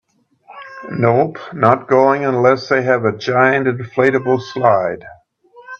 Nope, not going unless they have a giant inflatable slide.